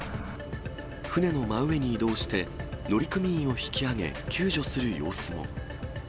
船の真上に移動して、乗組員を引き上げ、救助する様子も。